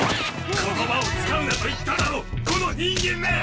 言葉を使うなと言っただろこの人間め！